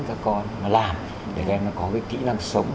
các con làm để em có kỹ năng sống